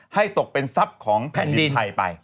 ตกเป็นทรัพย์ของแผ่นดินไทยไป